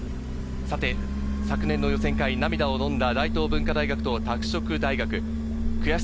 昨年の予選会、涙を飲んだ大東文化大学と拓殖大学。